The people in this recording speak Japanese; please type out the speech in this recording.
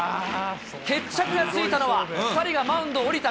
決着がついたのは、２人がマウンドを降りた